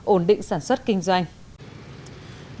ổn định sản xuất kinh doanh